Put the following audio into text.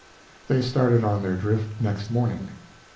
They started on their drift next morning.